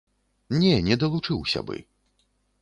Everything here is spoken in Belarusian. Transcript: Не, не далучыўся бы.